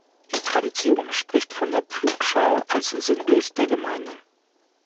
Die Tradition spricht von der Pflugschar als Sinnbild der Gemeinde.